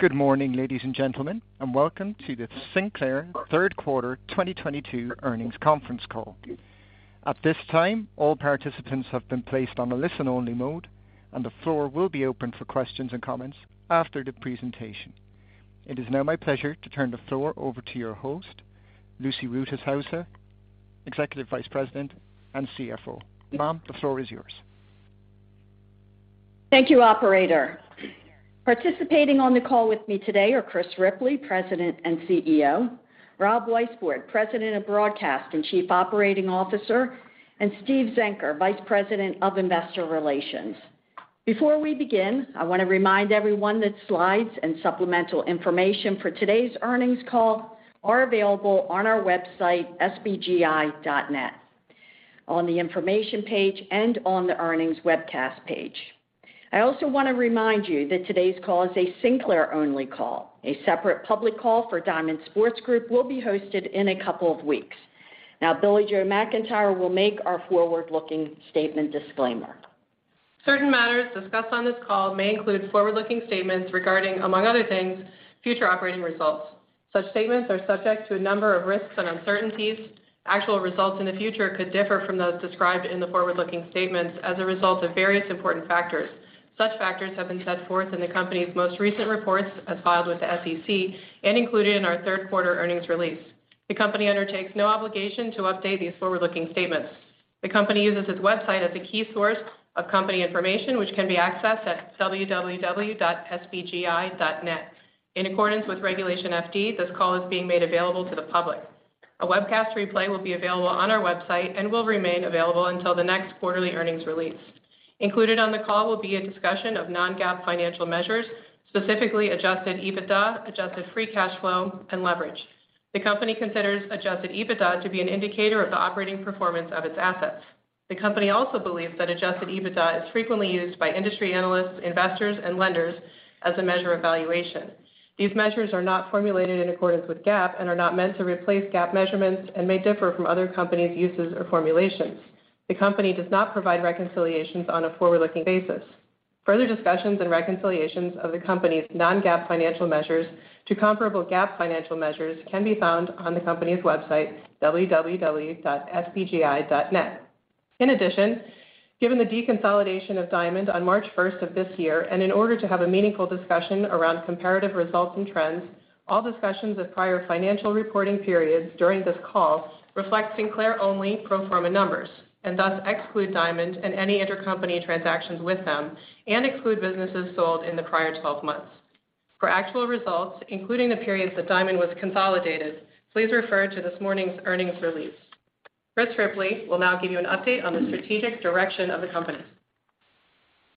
Good morning, ladies and gentlemen, and welcome to the Sinclair third quarter 2022 earnings conference call. At this time, all participants have been placed on a listen-only mode, and the floor will be open for questions and comments after the presentation. It is now my pleasure to turn the floor over to your host, Lucy Rutishauser, Executive Vice President and CFO. Ma'am, the floor is yours. Thank you, operator. Participating on the call with me today are Chris Ripley, President and CEO, Rob Weisbord, President of Broadcast and Chief Operating Officer, and Steven Zenker, Vice President of Investor Relations. Before we begin, I wanna remind everyone that slides and supplemental information for today's earnings call are available on our website, sbgi.net, on the Information page and on the Earnings Webcast page. I also wanna remind you that today's call is a Sinclair-only call. A separate public call for Diamond Sports Group will be hosted in a couple of weeks. Now, Billie-Jo McIntire will make our forward-looking statement disclaimer. Certain matters discussed on this call may include forward-looking statements regarding, among other things, future operating results. Such statements are subject to a number of risks and uncertainties. Actual results in the future could differ from those described in the forward-looking statements as a result of various important factors. Such factors have been set forth in the company's most recent reports as filed with the SEC and included in our third quarter earnings release. The company undertakes no obligation to update these forward-looking statements. The company uses its website as a key source of company information, which can be accessed at www.sbgi.net. In accordance with Regulation FD, this call is being made available to the public. A webcast replay will be available on our website and will remain available until the next quarterly earnings release. Included on the call will be a discussion of non-GAAP financial measures, specifically adjusted EBITDA, adjusted free cash flow, and leverage. The company considers adjusted EBITDA to be an indicator of the operating performance of its assets. The company also believes that adjusted EBITDA is frequently used by industry analysts, investors, and lenders as a measure of valuation. These measures are not formulated in accordance with GAAP and are not meant to replace GAAP measurements and may differ from other companies' uses or formulations. The company does not provide reconciliations on a forward-looking basis. Further discussions and reconciliations of the company's non-GAAP financial measures to comparable GAAP financial measures can be found on the company's website, www.sbgi.net. In addition, given the deconsolidation of Diamond on March first of this year, and in order to have a meaningful discussion around comparative results and trends, all discussions of prior financial reporting periods during this call reflect Sinclair-only pro forma numbers and thus exclude Diamond and any intercompany transactions with them and exclude businesses sold in the prior 12 months. For actual results, including the periods that Diamond was consolidated, please refer to this morning's earnings release. Chris Ripley will now give you an update on the strategic direction of the company.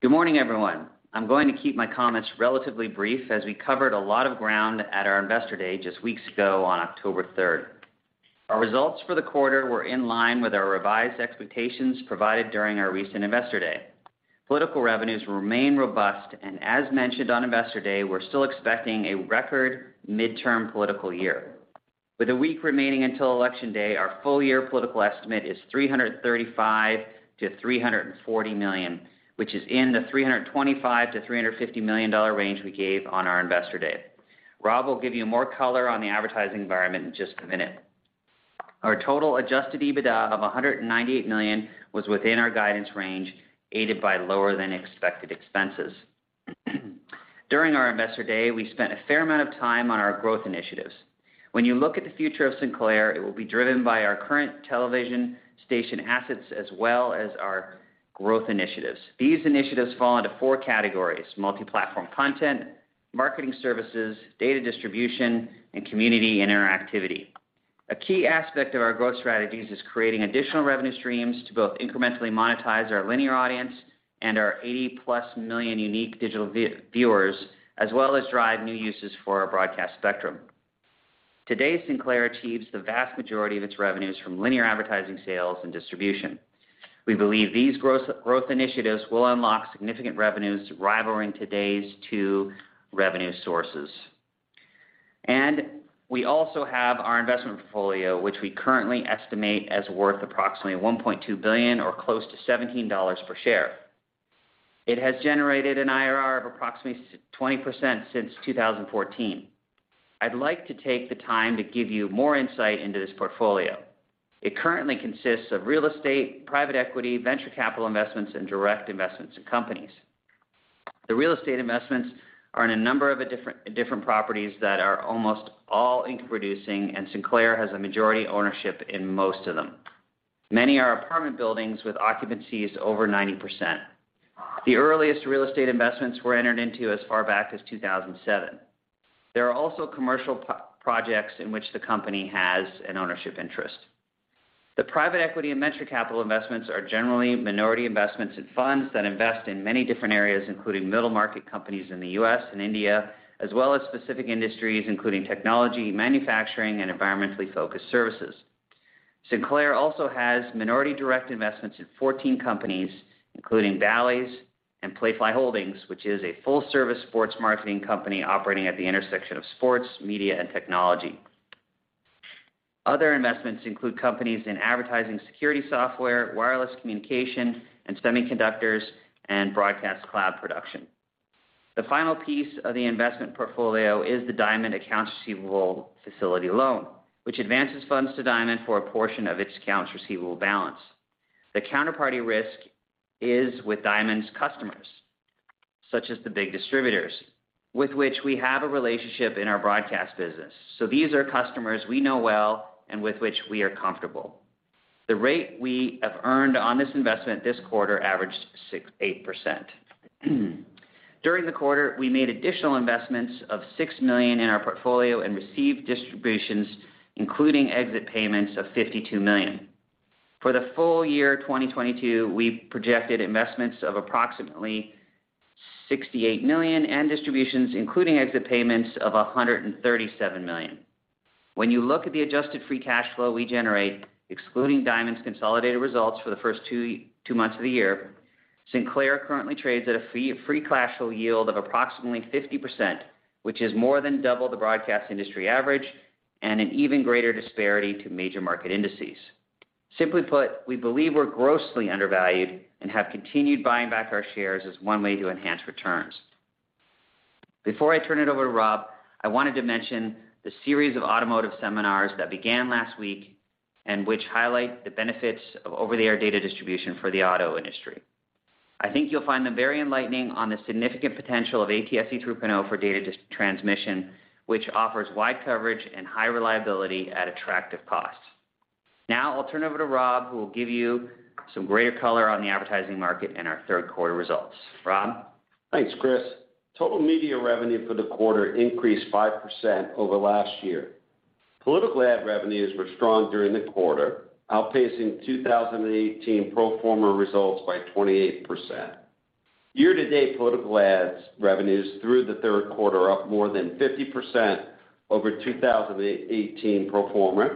Good morning, everyone. I'm going to keep my comments relatively brief as we covered a lot of ground at our Investor Day just weeks ago on October third. Our results for the quarter were in line with our revised expectations provided during our recent Investor Day. Political revenues remain robust, and as mentioned on Investor Day, we're still expecting a record midterm political year. With a week remaining until election day, our full-year political estimate is $335 million-$340 million, which is in the $325 million-$350 million range we gave on our Investor Day. Rob will give you more color on the advertising environment in just a minute. Our total adjusted EBITDA of $198 million was within our guidance range, aided by lower than expected expenses. During our Investor Day, we spent a fair amount of time on our growth initiatives. When you look at the future of Sinclair, it will be driven by our current television station assets as well as our growth initiatives. These initiatives fall into four categories: multi-platform content, marketing services, data distribution, and community interactivity. A key aspect of our growth strategies is creating additional revenue streams to both incrementally monetize our linear audience and our 80+ million unique digital viewers, as well as drive new uses for our broadcast spectrum. Today, Sinclair achieves the vast majority of its revenues from linear advertising sales and distribution. We believe these growth initiatives will unlock significant revenues rivaling today's two revenue sources. We also have our investment portfolio, which we currently estimate as worth approximately $1.2 billion or close to $17 per share. It has generated an IRR of approximately 20% since 2014. I'd like to take the time to give you more insight into this portfolio. It currently consists of real estate, private equity, venture capital investments, and direct investments in companies. The real estate investments are in a number of different properties that are almost all income-producing, and Sinclair has a majority ownership in most of them. Many are apartment buildings with occupancies over 90%. The earliest real estate investments were entered into as far back as 2007. There are also commercial properties in which the company has an ownership interest. The private equity and venture capital investments are generally minority investments in funds that invest in many different areas, including middle-market companies in the U.S. and India, as well as specific industries, including technology, manufacturing, and environmentally focused services. Sinclair also has minority direct investments in 14 companies, including Valys and Playfly Holdings, which is a full-service sports marketing company operating at the intersection of sports, media, and technology. Other investments include companies in advertising security software, wireless communication, and semiconductors, and broadcast cloud production. The final piece of the investment portfolio is the Diamond accounts receivable facility loan, which advances funds to Diamond for a portion of its accounts receivable balance. The counterparty risk is with Diamond's customers, such as the big distributors, with which we have a relationship in our broadcast business. These are customers we know well, and with which we are comfortable. The rate we have earned on this investment this quarter averaged 6%-8%. During the quarter, we made additional investments of $6 million in our portfolio and received distributions, including exit payments of $52 million. For the full year 2022, we projected investments of approximately $68 million, and distributions, including exit payments of $137 million. When you look at the adjusted free cash flow we generate, excluding Diamond's consolidated results for the first two months of the year, Sinclair currently trades at a free cash flow yield of approximately 50%, which is more than double the broadcast industry average and an even greater disparity to major market indices. Simply put, we believe we're grossly undervalued and have continued buying back our shares as one way to enhance returns. Before I turn it over to Rob, I wanted to mention the series of automotive seminars that began last week, and which highlight the benefits of over-the-air data distribution for the auto industry. I think you'll find them very enlightening on the significant potential of ATSC 3.0 for data transmission, which offers wide coverage and high reliability at attractive costs. Now I'll turn it over to Rob, who will give you some greater color on the advertising market and our third quarter results. Rob? Thanks, Chris. Total media revenue for the quarter increased 5% over last year. Political ad revenues were strong during the quarter, outpacing 2018 pro forma results by 28%. Year-to-date political ads revenues through the third quarter are up more than 50% over 2018 pro forma,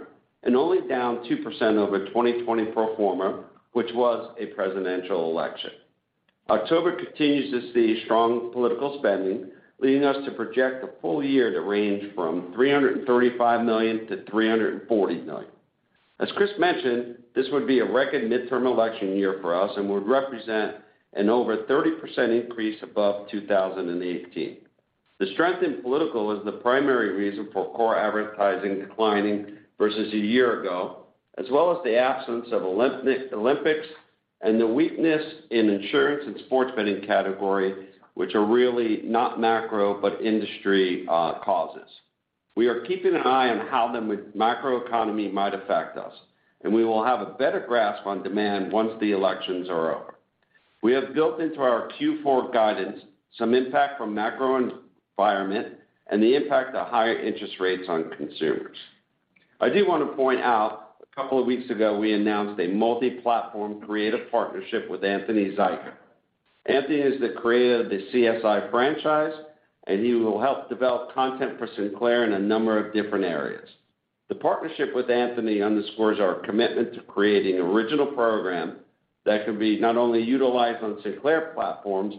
and only down 2% over 2020 pro forma, which was a presidential election. October continues to see strong political spending, leading us to project the full year to range from $335 million-$340 million. As Chris mentioned, this would be a record midterm election year for us and would represent an over 30% increase above 2018. The strength in political is the primary reason for core advertising declining versus a year ago, as well as the absence of Olympics and the weakness in insurance and sports betting category, which are really not macro, but industry, causes. We are keeping an eye on how the macroeconomy might affect us, and we will have a better grasp on demand once the elections are over. We have built into our Q4 guidance some impact from macro environment and the impact of higher interest rates on consumers. I do wanna point out, a couple of weeks ago, we announced a multi-platform creative partnership with Anthony Zuiker. Anthony is the creator of the CSI franchise, and he will help develop content for Sinclair in a number of different areas. The partnership with Anthony underscores our commitment to creating original programming that can be not only utilized on Sinclair platforms,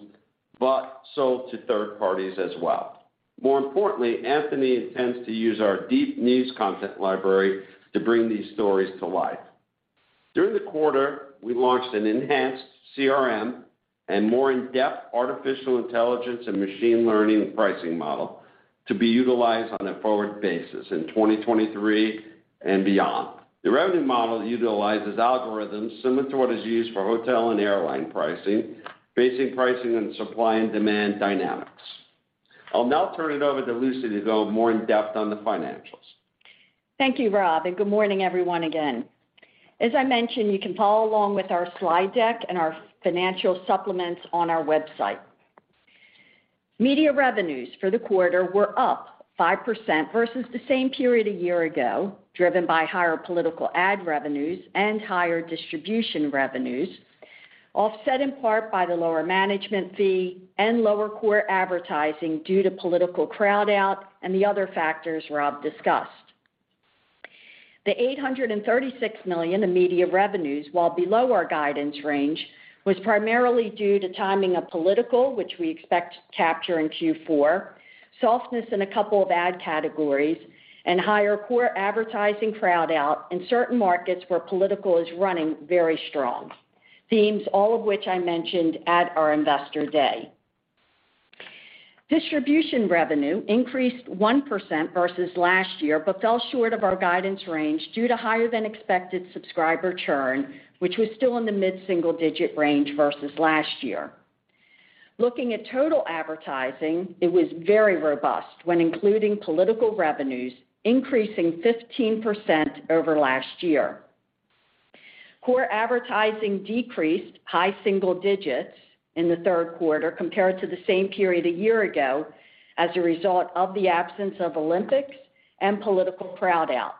but sold to third parties as well. More importantly, Anthony intends to use our deep news content library to bring these stories to life. During the quarter, we launched an enhanced CRM and more in-depth artificial intelligence and machine learning pricing model to be utilized on a forward basis in 2023 and beyond. The revenue model utilizes algorithms similar to what is used for hotel and airline pricing, basing pricing on supply and demand dynamics. I'll now turn it over to Lucy to go more in-depth on the financials. Thank you, Rob, and good morning, everyone, again. As I mentioned, you can follow along with our slide deck and our financial supplements on our website. Media revenues for the quarter were up 5% versus the same period a year ago, driven by higher political ad revenues and higher distribution revenues, offset in part by the lower management fee and lower core advertising due to political crowd-out and the other factors Rob discussed. The $836 million in media revenues, while below our guidance range, was primarily due to timing of political, which we expect to capture in Q4, softness in a couple of ad categories, and higher core advertising crowd-out in certain markets where political is running very strong. Themes all of which I mentioned at our Investor Day. Distribution revenue increased 1% versus last year, but fell short of our guidance range due to higher than expected subscriber churn, which was still in the mid-single digits range versus last year. Looking at total advertising, it was very robust when including political revenues, increasing 15% over last year. Core advertising decreased high single digits in the third quarter compared to the same period a year ago as a result of the absence of Olympics and political crowd-out.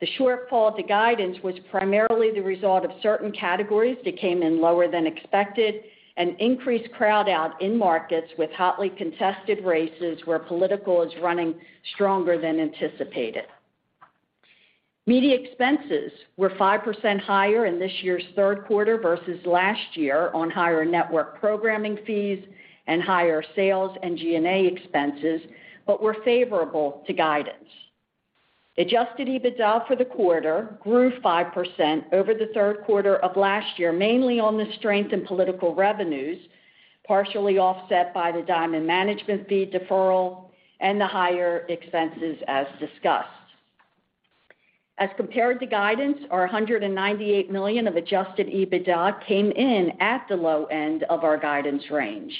The shortfall of the guidance was primarily the result of certain categories that came in lower than expected and increased crowd-out in markets with hotly contested races where political is running stronger than anticipated. Media expenses were 5% higher in this year's third quarter versus last year on higher network programming fees and higher sales and G&A expenses, but were favorable to guidance. Adjusted EBITDA for the quarter grew 5% over the third quarter of last year, mainly on the strength in political revenues, partially offset by the Diamond management fee deferral and the higher expenses as discussed. As compared to guidance, our $198 million of adjusted EBITDA came in at the low end of our guidance range.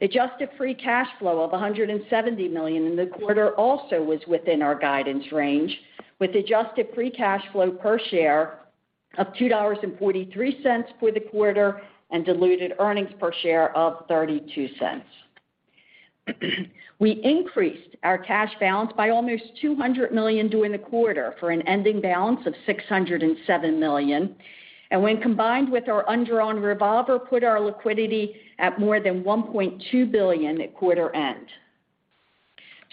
Adjusted free cash flow of $170 million in the quarter also was within our guidance range, with adjusted free cash flow per share of $2.43 for the quarter and diluted earnings per share of $0.32. We increased our cash balance by almost $200 million during the quarter for an ending balance of $607 million, and when combined with our undrawn revolver, put our liquidity at more than $1.2 billion at quarter end.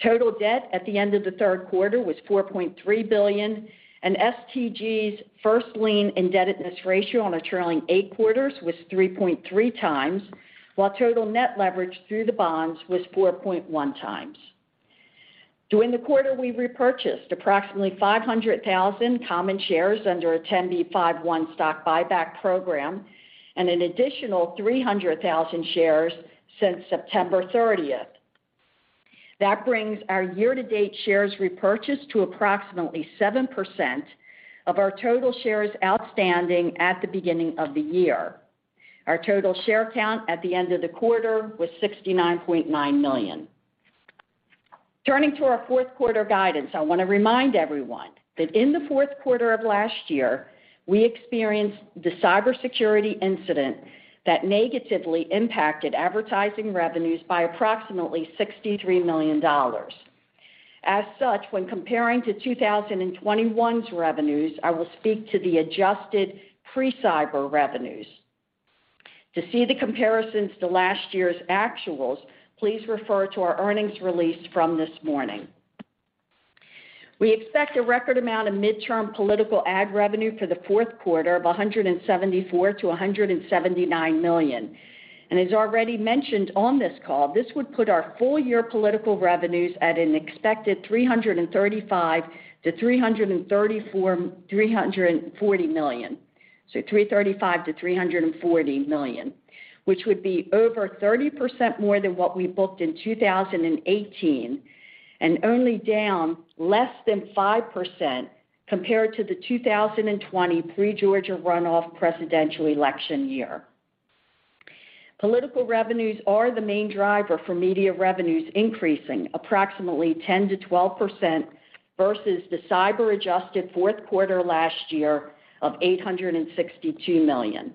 Total debt at the end of the third quarter was $4.3 billion, and STG's first lien indebtedness ratio on a trailing eight quarters was 3.3 times, while total net leverage through the bonds was 4.1 times. During the quarter, we repurchased approximately 500,000 common shares under a 10b5-1 stock buyback program and an additional 300,000 shares since September 30. That brings our year-to-date shares repurchase to approximately 7% of our total shares outstanding at the beginning of the year. Our total share count at the end of the quarter was 69.9 million. Turning to our fourth quarter guidance, I wanna remind everyone that in the fourth quarter of last year, we experienced the cybersecurity incident that negatively impacted advertising revenues by approximately $63 million. As such, when comparing to 2021's revenues, I will speak to the adjusted pre-cyber revenues. To see the comparisons to last year's actuals, please refer to our earnings release from this morning. We expect a record amount of midterm political ad revenue for the fourth quarter of $174 million-$179 million. As already mentioned on this call, this would put our full-year political revenues at an expected $335 million-$340 million. $335 million-$340 million, which would be over 30% more than what we booked in 2018, and only down less than 5% compared to the 2020 pre-Georgia runoff presidential election year. Political revenues are the main driver for media revenues, increasing approximately 10%-12% versus the cyber-adjusted fourth quarter last year of $862 million.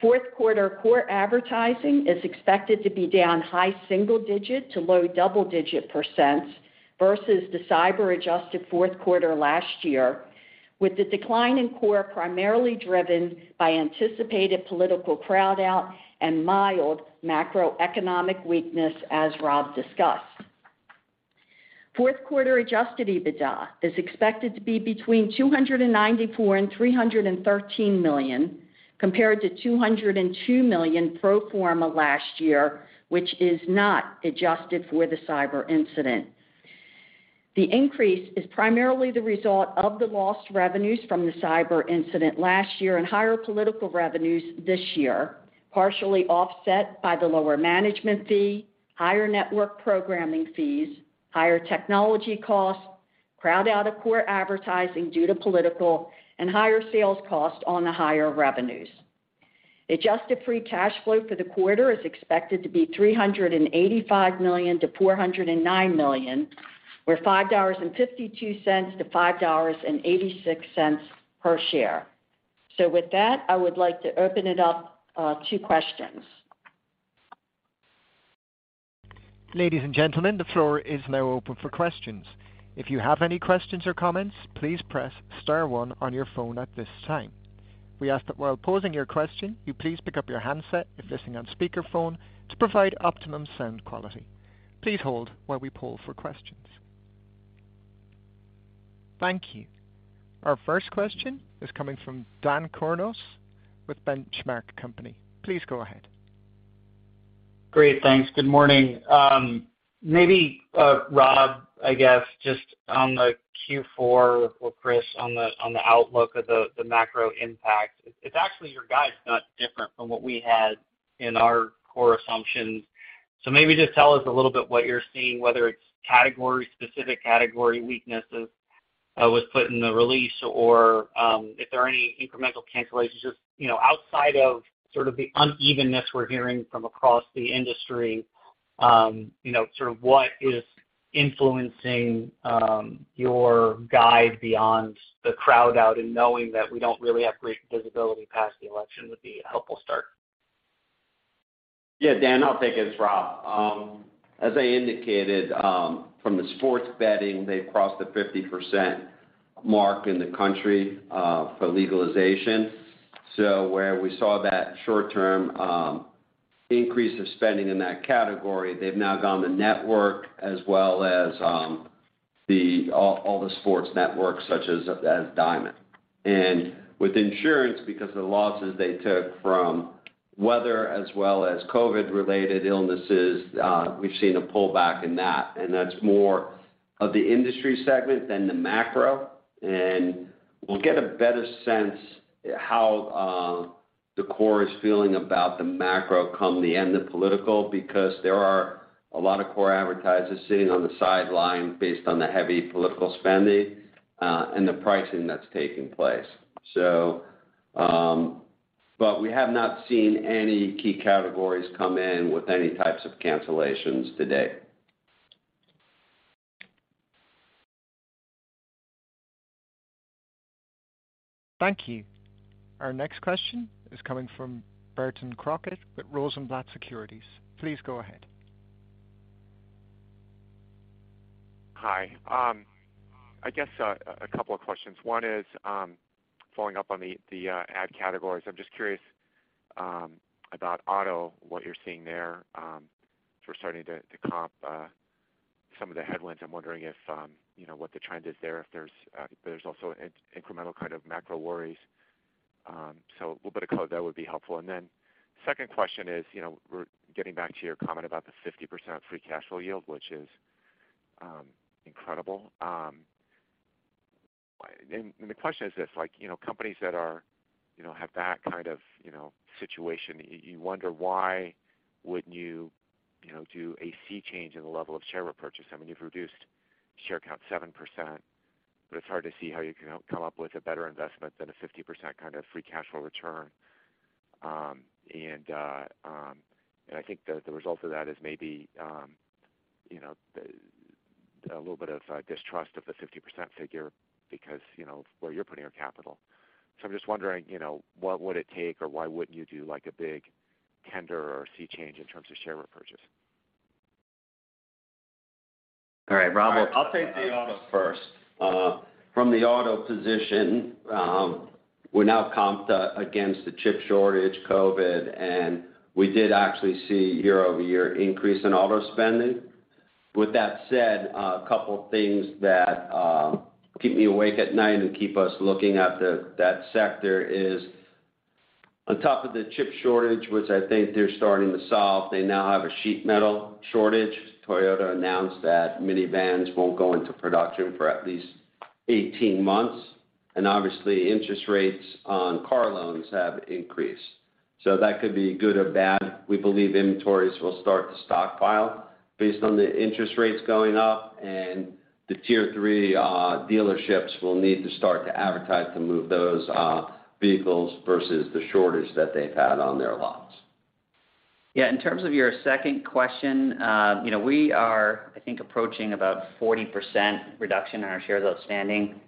Fourth quarter core advertising is expected to be down high single digit to low double-digit percent versus the cyber-adjusted fourth quarter last year, with the decline in core primarily driven by anticipated political crowd-out and mild macroeconomic weakness, as Rob discussed. Fourth quarter adjusted EBITDA is expected to be between $294 million and $313 million, compared to $202 million pro forma last year, which is not adjusted for the cyber incident. The increase is primarily the result of the lost revenues from the cyber incident last year and higher political revenues this year, partially offset by the lower management fee, higher network programming fees, higher technology costs, crowd-out of core advertising due to political and higher sales costs on the higher revenues. Adjusted free cash flow for the quarter is expected to be $385 million-$409 million, or $5.52-$5.86 per share. With that, I would like to open it up to questions. Ladies and gentlemen, the floor is now open for questions. If you have any questions or comments, please press star one on your phone at this time. We ask that while posing your question, you please pick up your handset if listening on speakerphone to provide optimum sound quality. Please hold while we poll for questions. Thank you. Our first question is coming from Dan Kurnos with Benchmark Company. Please go ahead. Great. Thanks. Good morning. Maybe Rob, I guess just on the Q4 or Chris on the outlook of the macro impact, it's actually your guide's not different from what we had in our core assumptions. Maybe just tell us a little bit what you're seeing, whether it's category specific category weaknesses was put in the release or if there are any incremental cancellations, just you know, outside of sort of the unevenness we're hearing from across the industry, you know, sort of what is influencing your guide beyond the crowd out and knowing that we don't really have great visibility past the election would be a helpful start. Yeah, Dan, I'll take it. It's Rob. As I indicated, from the sports betting, they've crossed the 50% mark in the country for legalization. Where we saw that short-term increase of spending in that category, they've now gone the network as well as all the sports networks such as Diamond. With insurance, because of the losses they took from weather as well as COVID-related illnesses, we've seen a pullback in that, and that's more of the industry segment than the macro. We'll get a better sense how the core is feeling about the macro come the end of political, because there are a lot of core advertisers sitting on the sidelines based on the heavy political spending and the pricing that's taking place. We have not seen any key categories come in with any types of cancellations to date. Thank you. Our next question is coming from Barton Crockett with Rosenblatt Securities. Please go ahead. Hi. I guess a couple of questions. One is, following up on the ad categories. I'm just curious about auto, what you're seeing there, if we're starting to comp some of the headwinds. I'm wondering if you know, what the trend is there, if there's also incremental kind of macro worries. So a little bit of color there would be helpful. Second question is, you know, we're getting back to your comment about the 50% free cash flow yield, which is incredible. And the question is this, like, you know, companies that are, you know, have that kind of situation, you wonder why would you know, do a sea change in the level of share repurchase. I mean, you've reduced share count 7%, but it's hard to see how you can come up with a better investment than a 50% kind of free cash flow return. I think the result of that is maybe, you know, a little bit of distrust of the 50% figure because, you know, where you're putting your capital. I'm just wondering, you know, what would it take, or why wouldn't you do, like, a big tender or C change in terms of share repurchase? All right, Rob, I'll take the auto first. From the auto position, we now comped against the chip shortage, COVID, and we did actually see year-over-year increase in auto spending. With that said, a couple things that keep me awake at night and keep us looking at that sector is on top of the chip shortage, which I think they're starting to solve, they now have a sheet metal shortage. Toyota announced that minivans won't go into production for at least 18 months, and obviously interest rates on car loans have increased. That could be good or bad. We believe inventories will start to stockpile based on the interest rates going up, and the tier three dealerships will need to start to advertise to move those vehicles versus the shortage that they've had on their lots. Yeah. In terms of your second question, you know, we are, I think, approaching about 40% reduction in our shares outstanding,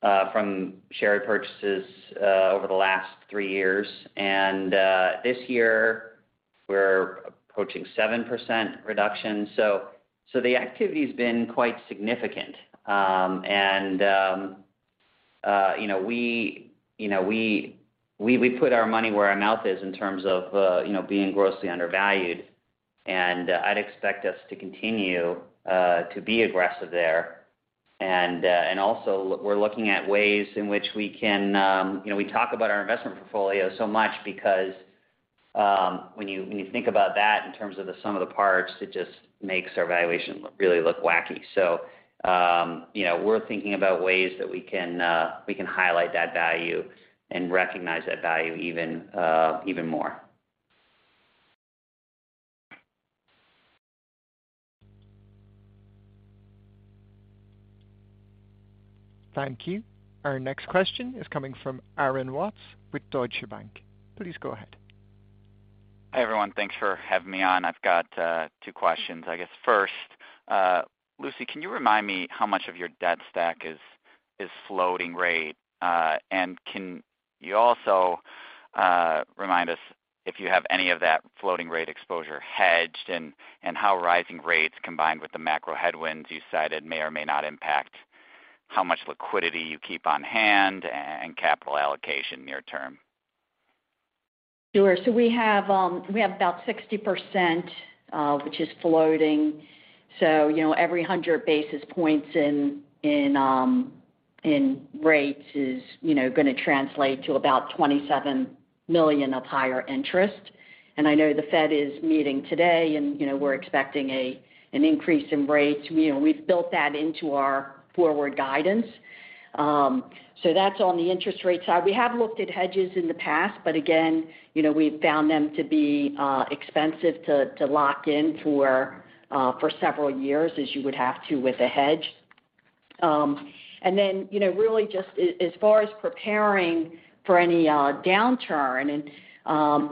from share repurchases, over the last 3 years. This year we're approaching 7% reduction. The activity's been quite significant. You know, we put our money where our mouth is in terms of, you know, being grossly undervalued. I'd expect us to continue to be aggressive there. Also we're looking at ways in which we can, you know, we talk about our investment portfolio so much because, when you think about that in terms of the sum of the parts, it just makes our valuation really look wacky. You know, we're thinking about ways that we can highlight that value and recognize that value even more. Thank you. Our next question is coming from Aaron Watts with Deutsche Bank. Please go ahead. Hi, everyone. Thanks for having me on. I've got two questions, I guess. First, Lucy, can you remind me how much of your debt stack is floating rate? Can you also remind us if you have any of that floating rate exposure hedged and how rising rates combined with the macro headwinds you cited may or may not impact how much liquidity you keep on hand and capital allocation near term? Sure. We have about 60%, which is floating. You know, every 100 basis points in rates is, you know, gonna translate to about $27 million of higher interest. I know the Fed is meeting today and, you know, we're expecting an increase in rates. You know, we've built that into our forward guidance. That's on the interest rate side. We have looked at hedges in the past, but again, you know, we found them to be expensive to lock in for several years as you would have to with a hedge. And then, you know, really just as far as preparing for any downturn and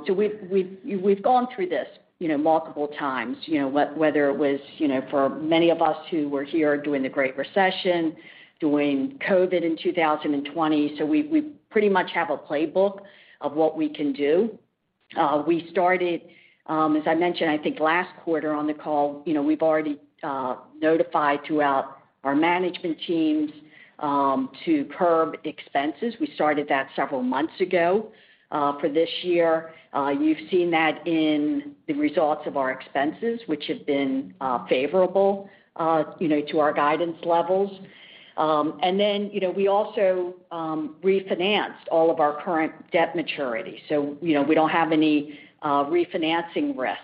so we've gone through this, you know, multiple times, you know. Whether it was, you know, for many of us who were here during the Great Recession, during COVID in 2020. We pretty much have a playbook of what we can do. We started, as I mentioned, I think last quarter on the call, you know, we've already notified throughout our management teams, to curb expenses. We started that several months ago, for this year. You've seen that in the results of our expenses, which have been favorable, you know, to our guidance levels. Then, you know, we also refinanced all of our current debt maturity. We don't have any refinancing risk,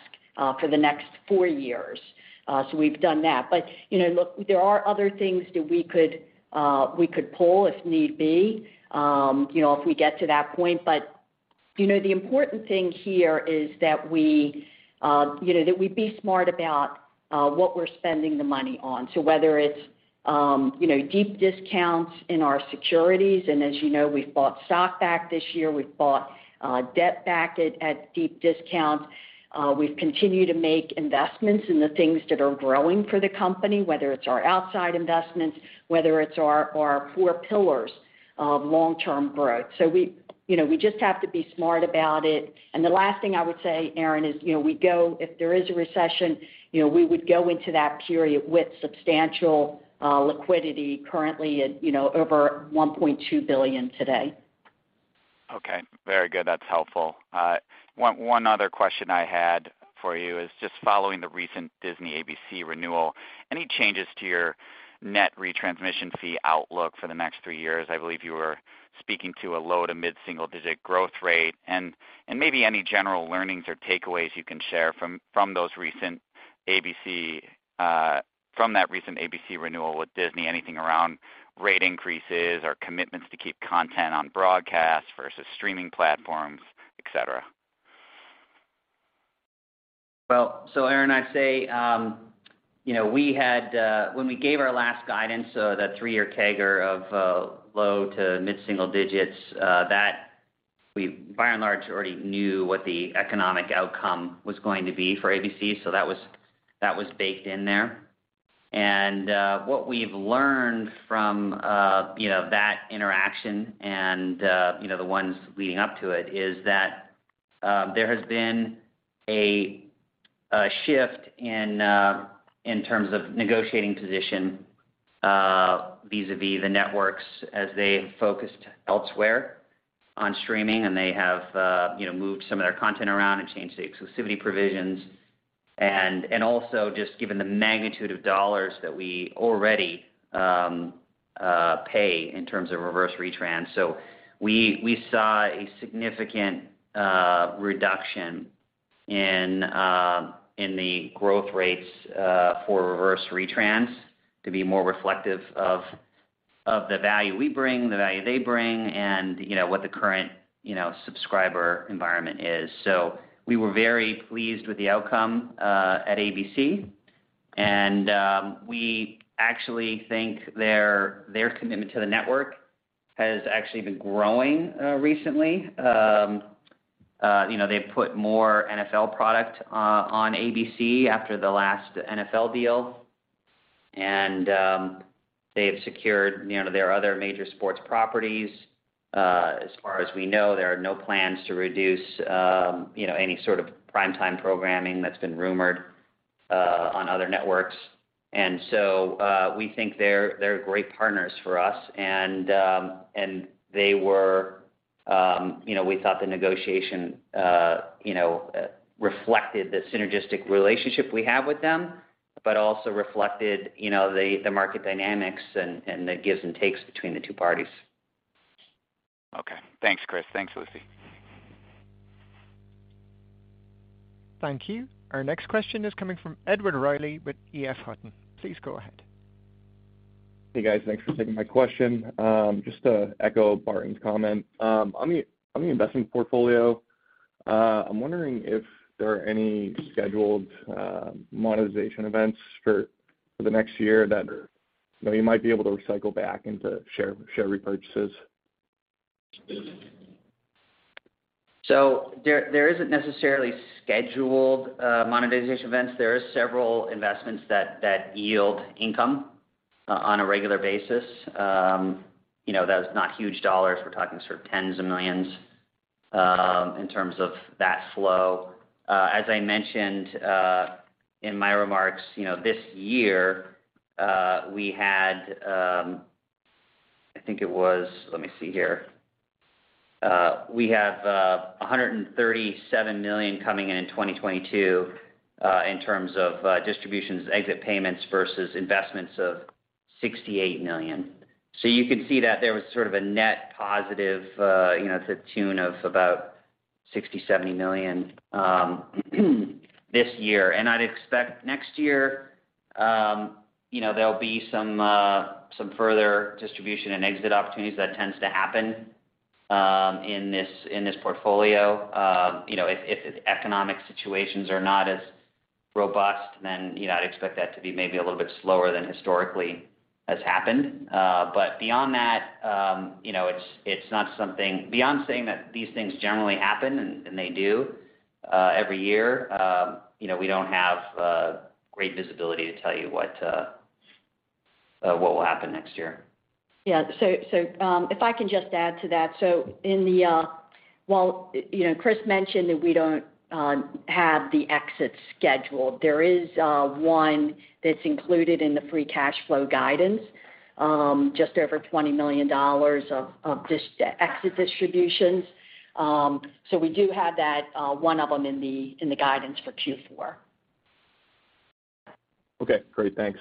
for the next four years. We've done that. You know, look, there are other things that we could pull if need be, you know, if we get to that point. You know, the important thing here is that we, you know, be smart about what we're spending the money on. Whether it's, you know, deep discounts in our securities, and as you know, we've bought stock back this year, we've bought debt back at deep discounts. We've continued to make investments in the things that are growing for the company, whether it's our outside investments, whether it's our four pillars of long-term growth. We, you know, just have to be smart about it. The last thing I would say, Aaron, is, you know, if there is a recession, you know, we would go into that period with substantial liquidity currently at, you know, over $1.2 billion today. Okay. Very good. That's helpful. One other question I had for you is just following the recent Disney ABC renewal, any changes to your net retransmission fee outlook for the next three years? I believe you were speaking to a low to mid-single digit growth rate. Maybe any general learnings or takeaways you can share from that recent ABC renewal with Disney, anything around rate increases or commitments to keep content on broadcast versus streaming platforms, et cetera. Well, Aaron, I'd say, you know, we had, when we gave our last guidance, that three-year CAGR of low to mid-single digits, that we by and large already knew what the economic outcome was going to be for ABC. That was baked in there. What we've learned from, you know, that interaction and, you know, the ones leading up to it, is that there has been a shift in terms of negotiating position vis-à-vis the networks as they have focused elsewhere on streaming, and they have, you know, moved some of their content around and changed the exclusivity provisions. Also just given the magnitude of dollars that we already pay in terms of reverse retrans. We saw a significant reduction in the growth rates for reverse retrans to be more reflective of the value we bring, the value they bring, and you know, what the current subscriber environment is. We were very pleased with the outcome at ABC. We actually think their commitment to the network has actually been growing recently. You know, they've put more NFL product on ABC after the last NFL deal. They've secured, you know, their other major sports properties. As far as we know, there are no plans to reduce, you know, any sort of prime time programming that's been rumored on other networks. We think they're great partners for us. They were, you know, we thought the negotiation, you know, reflected the synergistic relationship we have with them, but also reflected, you know, the market dynamics and the gives and takes between the two parties. Okay. Thanks, Chris. Thanks, Lucy. Thank you. Our next question is coming from Edward Reilly with EF Hutton. Please go ahead. Hey, guys. Thanks for taking my question. Just to echo Barton's comment. On the investment portfolio, I'm wondering if there are any scheduled monetization events for the next year that you know you might be able to recycle back into share repurchases. There isn't necessarily scheduled monetization events. There is several investments that yield income on a regular basis. You know, that's not huge dollars. We're talking sort of $10s of millions in terms of that flow. As I mentioned in my remarks, you know, this year we had $137 million coming in in 2022 in terms of distributions, exit payments, versus investments of $68 million. You could see that there was sort of a net positive, you know, to the tune of about $60-$70 million this year. I'd expect next year, you know, there'll be some further distribution and exit opportunities. That tends to happen in this portfolio. You know, if economic situations are not as robust, then, you know, I'd expect that to be maybe a little bit slower than historically has happened. Beyond that, you know, it's not something beyond saying that these things generally happen, and they do every year, you know, we don't have great visibility to tell you what will happen next year. Yeah. If I can just add to that. While you know, Chris mentioned that we don't have the exit schedule, there is one that's included in the free cash flow guidance, just over $20 million of exit distributions. We do have that one of them in the guidance for Q4. Okay. Great. Thanks.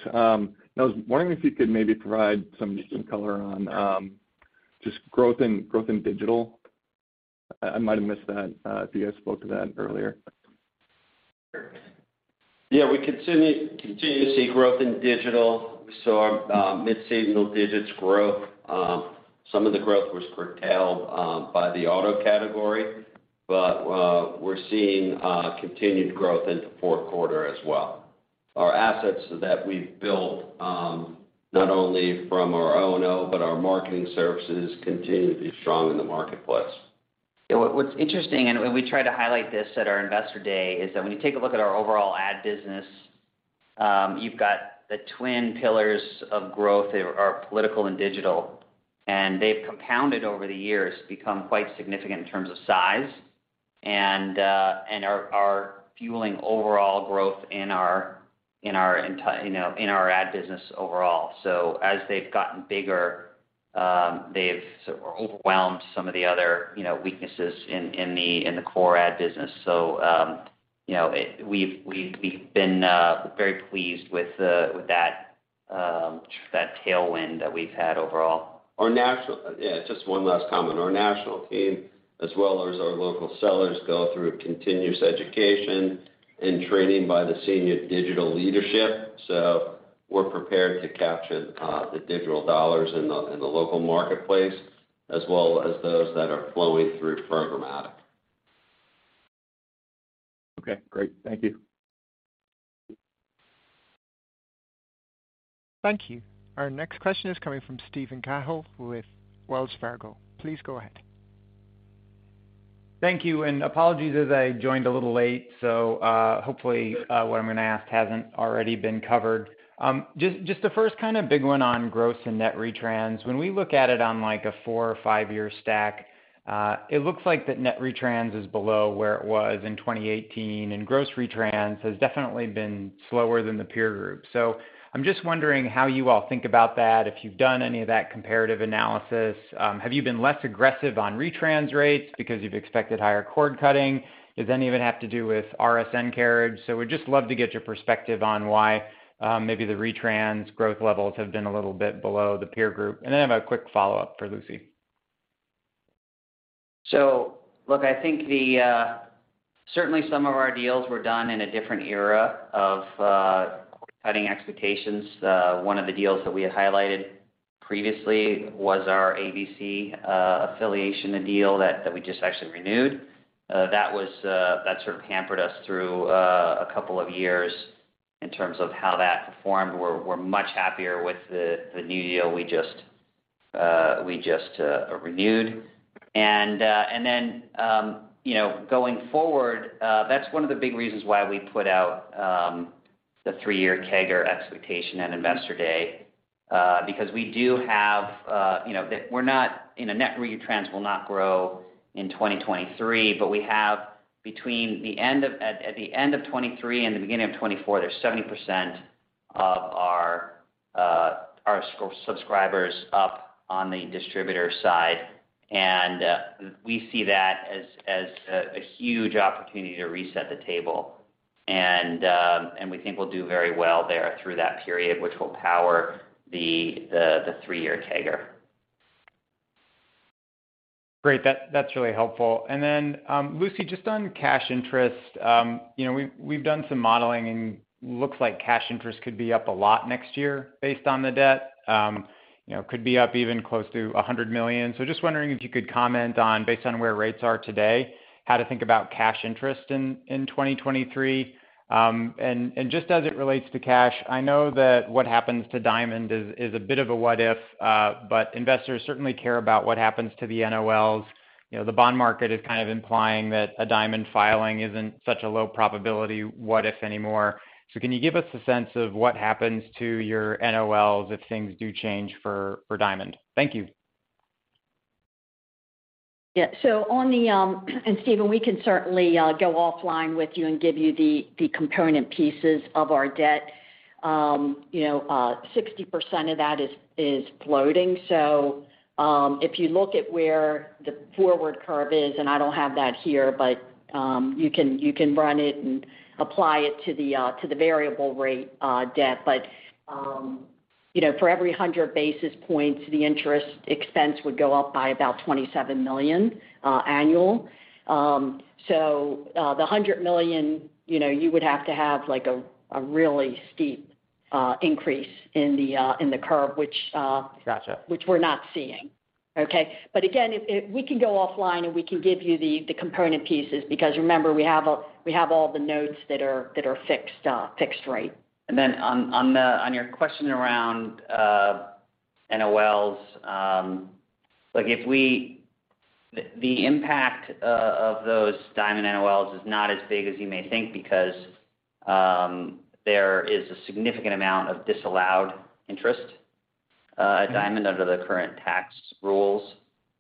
I was wondering if you could maybe provide some color on just growth in digital. I might have missed that if you guys spoke to that earlier. Yeah, we continue to see growth in digital. We saw mid-single digits growth. Some of the growth was curtailed by the auto category, but we're seeing continued growth into fourth quarter as well. Our assets that we've built not only from our O&O, but our marketing services continue to be strong in the marketplace. Yeah. What's interesting, we tried to highlight this at our Investor Day, is that when you take a look at our overall ad business, you've got the twin pillars of growth are political and digital. They've compounded over the years to become quite significant in terms of size, and are fueling overall growth in our entire. You know, in our ad business overall. As they've gotten bigger, they've sort of overwhelmed some of the other, you know, weaknesses in the core ad business. You know, we've been very pleased with that tailwind that we've had overall. Yeah, just one last comment. Our national team, as well as our local sellers, go through continuous education and training by the senior digital leadership. We're prepared to capture the digital dollars in the local marketplace, as well as those that are flowing through programmatic. Okay, great. Thank you. Thank you. Our next question is coming from Steven Cahall with Wells Fargo. Please go ahead. Thank you, and apologies as I joined a little late, so hopefully what I'm gonna ask hasn't already been covered. Just the first kind of big one on gross and net retrans. When we look at it on, like, a four- or five-year stack, it looks like that net retrans is below where it was in 2018, and gross retrans has definitely been slower than the peer group. I'm just wondering how you all think about that, if you've done any of that comparative analysis. Have you been less aggressive on retrans rates because you've expected higher cord cutting? Does any of it have to do with RSN carriage? We'd just love to get your perspective on why maybe the retrans growth levels have been a little bit below the peer group. I have a quick follow-up for Lucy. Look, I think certainly some of our deals were done in a different era of cutting expectations. One of the deals that we had highlighted previously was our ABC affiliation deal that we just actually renewed. That was that sort of hampered us through a couple of years in terms of how that performed. We're much happier with the new deal we just renewed. Then, you know, going forward, that's one of the big reasons why we put out the three-year CAGR expectation at Investor Day. Because we do have, you know, we're not. You know, net retrans will not grow in 2023, but we have between the end of... At the end of 2023 and the beginning of 2024, there's 70% of our subscribers up on the distributor side. We see that as a huge opportunity to reset the table. We think we'll do very well there through that period, which will power the three-year CAGR. Great. That's really helpful. Then, Lucy, just on cash interest, you know, we've done some modeling and looks like cash interest could be up a lot next year based on the debt. You know, could be up even close to $100 million. Just wondering if you could comment on, based on where rates are today, how to think about cash interest in 2023. Just as it relates to cash, I know that what happens to Diamond is a bit of a what if, but investors certainly care about what happens to the NOLs. You know, the bond market is kind of implying that a Diamond filing isn't such a low probability what if anymore. Can you give us a sense of what happens to your NOLs if things do change for Diamond? Thank you. Steven Zenker, we can certainly go offline with you and give you the component pieces of our debt. You know, 60% of that is floating. If you look at where the forward curve is, and I don't have that here, but you can run it and apply it to the variable rate debt. But you know, for every 100 basis points, the interest expense would go up by about $27 million annual. The $100 million, you know, you would have to have like a really steep increase in the curve, which. Gotcha which we're not seeing. Okay? Again, we can go offline, and we can give you the component pieces because remember, we have all the nodes that are fixed rate. On your question around NOLs, the impact of those Diamond NOLs is not as big as you may think because there is a significant amount of disallowed interest at Diamond under the current tax rules,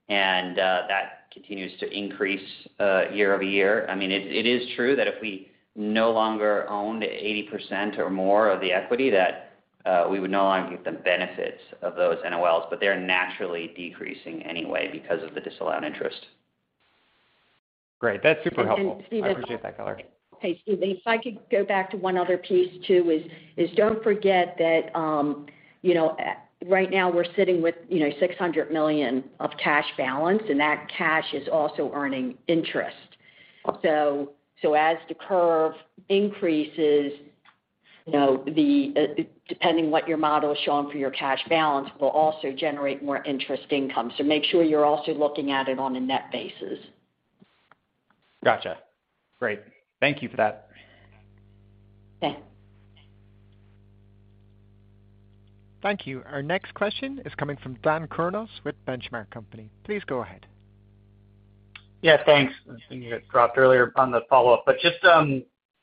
and that continues to increase year-over-year. I mean, it is true that if we no longer owned 80% or more of the equity, that we would no longer get the benefits of those NOLs, but they're naturally decreasing anyway because of the disallowed interest. Great. That's super helpful. Steven I appreciate that color. Hey, Steven, if I could go back to one other piece too, don't forget that, you know, right now we're sitting with, you know, $600 million of cash balance, and that cash is also earning interest. As the curve increases You know, depending what your model is showing for your cash balance will also generate more interest income. Make sure you're also looking at it on a net basis. Gotcha. Great. Thank you for that. Okay. Thank you. Our next question is coming from Daniel Kurnos with The Benchmark Company. Please go ahead. Yeah, thanks. I see you got dropped earlier on the follow-up. Just,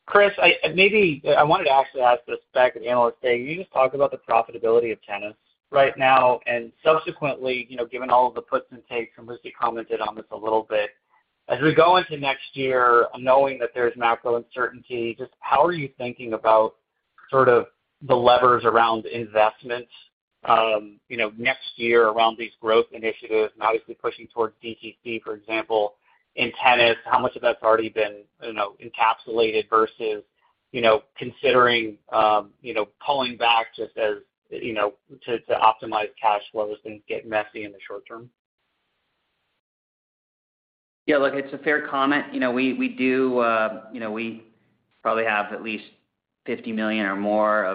Chris, I maybe wanted to actually ask this back to the analyst day. Can you just talk about the profitability of tennis right now and subsequently, you know, given all of the puts and takes, and Lucy commented on this a little bit. As we go into next year, knowing that there's macro uncertainty, just how are you thinking about sort of the levers around investment, you know, next year around these growth initiatives and obviously pushing towards DTC, for example. In tennis, how much of that's already been, you know, encapsulated versus, you know, considering, you know, pulling back just as, you know, to optimize cash flows, things get messy in the short term? Yeah, look, it's a fair comment. You know, we do, you know, we probably have at least $50 million or more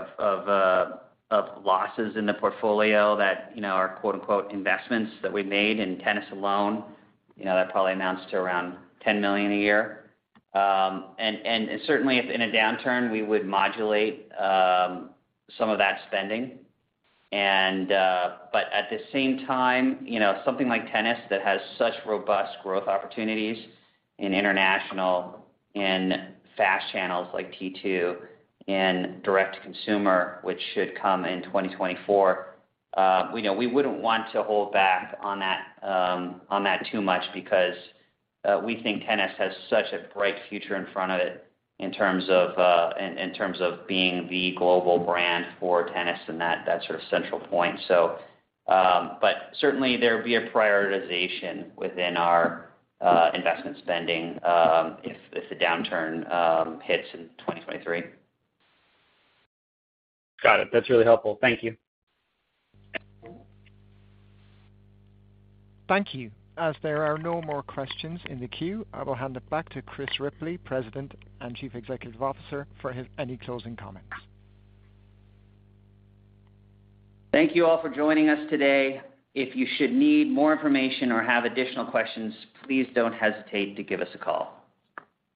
of losses in the portfolio that, you know, are quote-unquote investments that we made in tennis alone. You know, that probably amounts to around $10 million a year. Certainly if in a downturn, we would modulate some of that spending. at the same time, you know, something like Tennis that has such robust growth opportunities in international and FAST channels like T2 and direct-to-consumer, which should come in 2024, we know we wouldn't want to hold back on that, on that too much because, we think Tennis has such a bright future in front of it in terms of being the global brand for Tennis and that sort of central point. Certainly there'd be a prioritization within our investment spending, if the downturn hits in 2023. Got it. That's really helpful. Thank you. Thank you. As there are no more questions in the queue, I will hand it back to Chris Ripley, President and Chief Executive Officer, for any closing comments. Thank you all for joining us today. If you should need more information or have additional questions, please don't hesitate to give us a call.